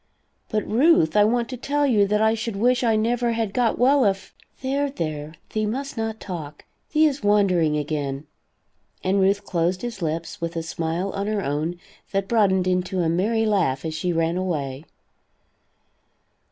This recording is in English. "But, Ruth, I want to tell you that I should wish I never had got well if " "There, there, thee must not talk. Thee is wandering again," and Ruth closed his lips, with a smile on her own that broadened into a merry laugh as she ran away.